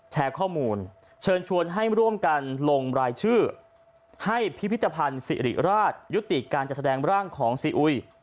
แชร์ข้อมูลเชิญชวนให้ร่วมกันลงรายชื่อให้พิพิธภัณฑ์สิริราชยุติการจัดแสดงร่างของซีอุย